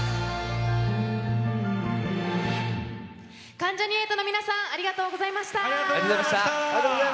関ジャニ∞の皆さんありがとうございました！